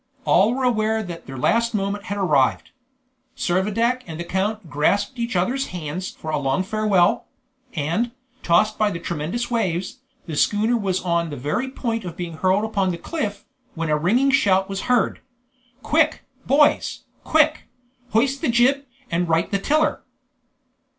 All were aware that their last moment had arrived. Servadac and the count grasped each other's hands for a long farewell; and, tossed by the tremendous waves, the schooner was on the very point of being hurled upon the cliff, when a ringing shout was heard. "Quick, boys, quick! Hoist the jib, and right the tiller!"